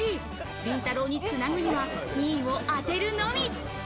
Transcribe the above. りんたろー。につなぐには２位を当てるのみ。